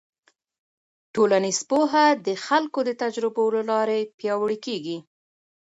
ټولنیز پوهه د خلکو د تجربو له لارې پیاوړې کېږي.